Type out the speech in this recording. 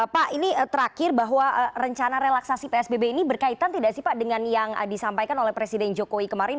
pak ini terakhir bahwa rencana relaksasi psbb ini berkaitan tidak sih pak dengan yang disampaikan oleh presiden jokowi kemarin